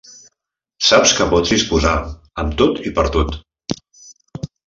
Saps que pots disposar, amb tot i per tot